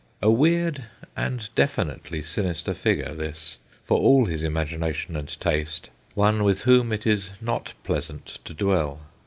A weird and definitely sinister figure this, for all his imagination and taste, one with whom it is not pleasant to dwell.